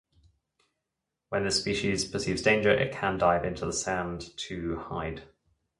When this species perceives danger it can dive into the sand to hide.